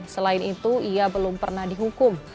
selain itu ia belum pernah dihukum